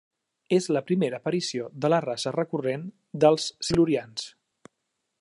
És la primera aparició de la raça recurrent dels Silurians.